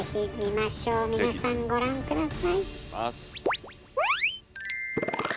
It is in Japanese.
皆さんご覧下さい。